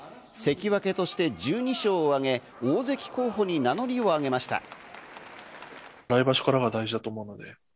関脇として１２勝をあげ、大関候補に名乗りを上げました。